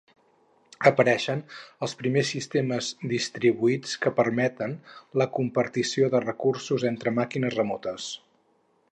Apareixen els primers sistemes distribuïts que permeten la compartició de recursos entre màquines remotes.